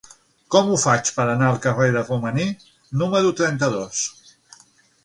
Com ho faig per anar al carrer de Romaní número trenta-dos?